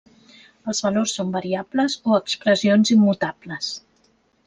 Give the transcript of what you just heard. Els valors són variables o expressions immutables.